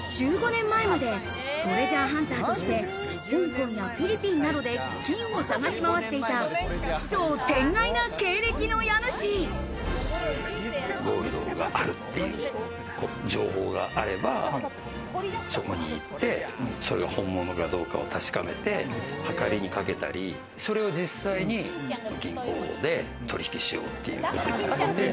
１５年前までトレジャーハンターとして香港やフィリピンなどで金を探し回っていたゴールドがあるっていう情報があれば、そこに行って、それが本物かどうかを確かめて秤にかけたり、それを実際に銀行で取引しようっていうことで。